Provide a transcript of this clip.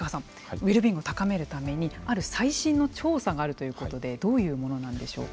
ウェルビーイングを高めるためにある最新の調査があるということでどういうものなんでしょうか。